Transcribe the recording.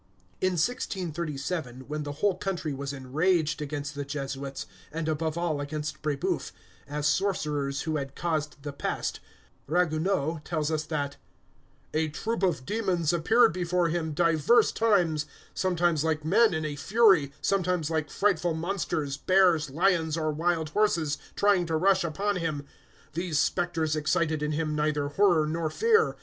In 1637, when the whole country was enraged against the Jesuits, and above all against Brébeuf, as sorcerers who had caused the pest, Ragueneau tells us that "a troop of demons appeared before him divers times, sometimes like men in a fury, sometimes like frightful monsters, bears, lions, or wild horses, trying to rush upon him. These spectres excited in him neither horror nor fear.